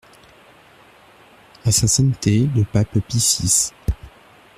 À Sa Sainteté le Pape Pie six.